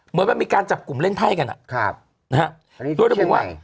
เหมือนว่ามีการจับกลุ่มเล่นไพ่กันครับนะฮะอันนี้ชื่อไหน